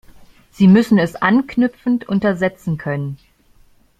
Sie müssen es anknüpfend untersetzen können.